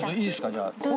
じゃあ。